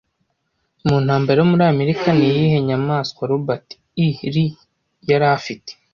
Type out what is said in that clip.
Mu ntambara yo muri Amerika niyihe nyamaswa Robert E Lee yari afite